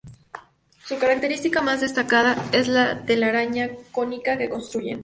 Su característica más destacada es la telaraña cónica que construyen.